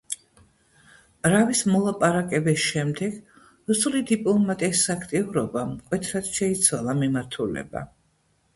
რავის მოლაპარაკების შემდეგ რუსული დიპლომატიის აქტიურობამ მკვეთრად შეიცვალა მიმართულება.